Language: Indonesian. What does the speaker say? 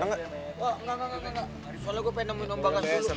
engga engga soalnya gue pengen nemuin om bangas dulu